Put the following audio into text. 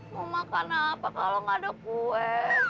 mau makan apa kalau nggak ada kue